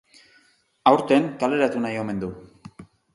Aurten kaleratu nahi omen du.